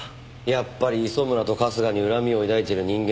やっぱり磯村と春日に恨みを抱いている人間が。